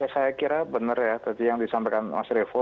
saya kira benar ya tadi yang disampaikan mas revo